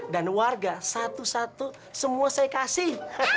dan warga satu satu semua saya kasih